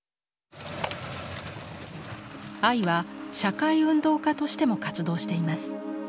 アイは社会運動家としても活動しています。